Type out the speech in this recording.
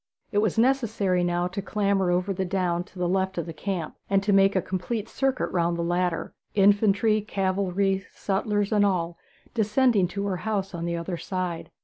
It was necessary now to clamber over the down to the left of the camp, and make a complete circuit round the latter infantry, cavalry, sutlers, and all descending to her house on the other side.